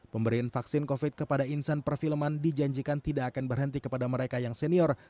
pemberian vaksin covid kepada insan perfilman dijanjikan tidak akan berhenti kepada mereka yang senior